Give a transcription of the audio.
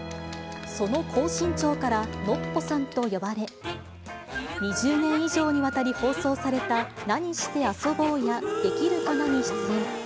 その高身長から、ノッポさんと呼ばれ、２０年以上にわたり放送された、なにしてあそぼうや、できるかなに出演。